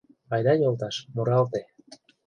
Айда, йолташ, муралте;